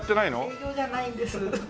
営業じゃないんです。